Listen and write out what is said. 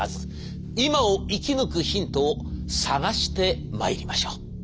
今を生き抜くヒントを探してまいりましょう。